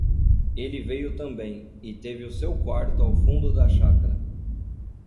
ele veio também, e teve o seu quarto ao fundo da chácara.